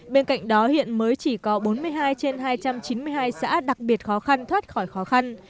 bên cạnh đó hiện mới chỉ có bốn mươi hai trên hai trăm chín mươi hai xã đặc biệt khó khăn thoát khỏi khó khăn